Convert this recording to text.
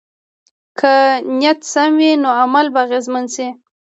که نیت سم وي، نو عمل به اغېزمن شي.